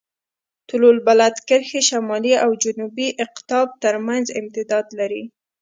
طول البلد کرښې شمالي او جنوبي اقطاب ترمنځ امتداد لري.